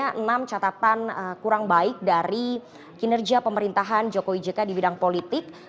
ada enam catatan kurang baik dari kinerja pemerintahan jokowi jk di bidang politik